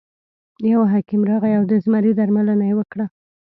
یو حکیم راغی او د زمري درملنه یې وکړه.